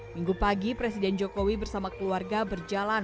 minggu pagi presiden jokowi bersama keluarga berjalan